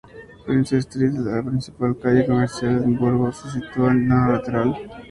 Princes Street, la principal calle comercial de Edimburgo, se sitúa en un lateral.